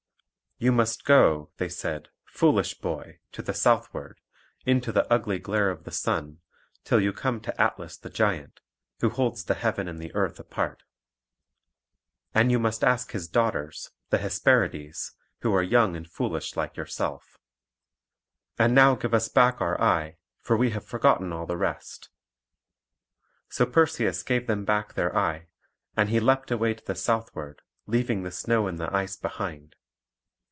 "You must go," they said, "foolish boy, to the southward, into the ugly glare of the sun, till you come to Atlas the Giant, who holds the heaven and the earth apart. And you must ask his daughters, the Hesperides, who are young and foolish like yourself. And now give us back our eye, for we have forgotten all the rest." So Perseus gave them back their eye. And he leaped away to the southward, leaving the snow and the ice behind.